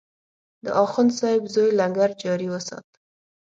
د اخندصاحب زوی لنګر جاري وسات.